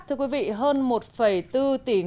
thưa quý vị hơn một bốn tỷ đồng